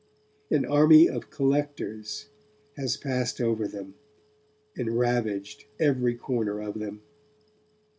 An army of 'collectors' has passed over them, and ravaged every corner of them.